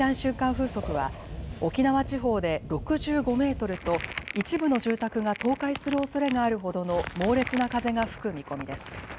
風速は沖縄地方で６５メートルと一部の住宅が倒壊するおそれがあるほどの猛烈な風が吹く見込みです。